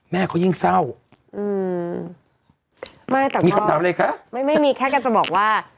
แม่เขายิ่งเศร้าอืมไม่แต่มีคำถามอะไรคะไม่ไม่มีแค่กันจะบอกว่า